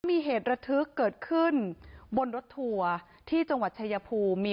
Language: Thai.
มีเหตุระทึกเกิดขึ้นบนรถทัวร์ที่จังหวัดชายภูมิ